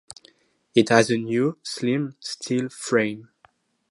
It has a new, slim, steel frame.